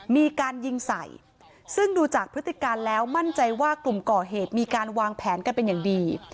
มีการยิงใส่ซึ่งดูจากพฤติการแล้วมั่นใจว่ากลุ่มก่อเหตุมีการวางแผนกันเป็นอย่างดี